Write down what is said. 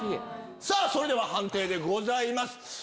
それでは判定でございます。